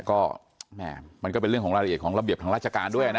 ก็แม่มันก็เป็นเรื่องของรายละเอียดของระเบียบทางราชการด้วยนะ